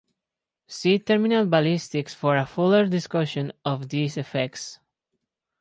See terminal ballistics for a fuller discussion of these effects.